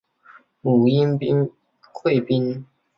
母殷贵嫔。